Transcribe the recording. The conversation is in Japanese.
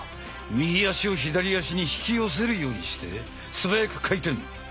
右足を左足に引き寄せるようにしてすばやく回転。